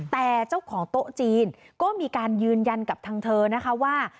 แต่เจ้าของโต๊ะจีนก็มีการยืนยันกับทางเธอนะคะว่า